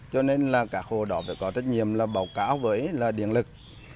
cho nên là các hồ đó phải có trách nhiệm là báo cáo với điện lực